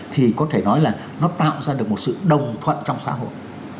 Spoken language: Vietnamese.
thì có thể nói là nó tạo ra được một sự đồng thuận trong xã hội